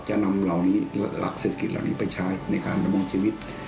จะนำเหล่านี้หลักเศรษฐกิจเหล่านี้ไปใช้ในการดำรงชีวิต